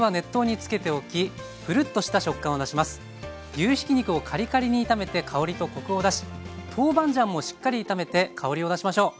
牛ひき肉をカリカリに炒めて香りとコクを出しトーバンジャンもしっかり炒めて香りを出しましょう。